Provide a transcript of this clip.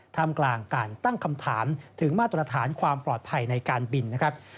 ทำกลางการตั้งคำถามถึงมาตรฐานความปลอดภัยในการบินนะครับ